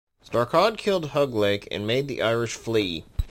Starkad killed Hugleik and made the Irish flee.